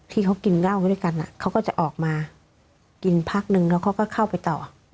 ที่เขากินเหล้าด้วยกันเขาก็จะออกมากินพักนึงแล้วเขาก็เข้าไปต่อ